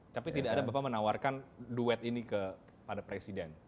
tapi tidak ada bapak menawarkan duet ini kepada presiden